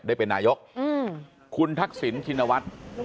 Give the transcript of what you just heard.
ได้เป็นนายกคุณทักษิณชินวัฒน์